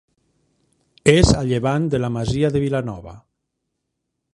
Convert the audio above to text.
És a llevant de la masia de Vilanova.